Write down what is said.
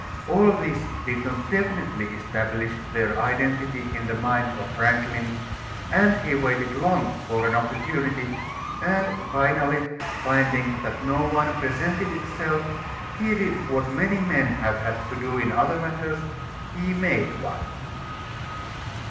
All this did not definitely establish their identity in the mind of Franklin, and he waited long for an opportunity, and finally, finding that no one presented itself, he did what many men have had to do in other matters; he made one.